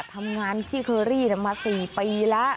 ทำงานที่เคอรี่มา๔ปีแล้ว